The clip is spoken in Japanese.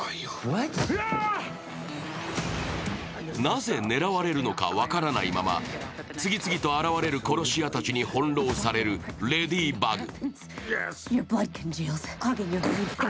なぜ狙われるのか分からないまま、次々と現れる殺し屋たちに翻弄されるレディバグ。